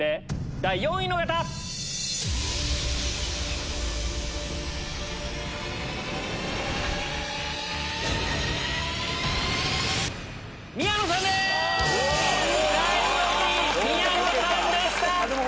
第４位宮野さんでした！